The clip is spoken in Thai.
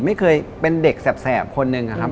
ไม่เคยเป็นเด็กแสบคนหนึ่งนะครับ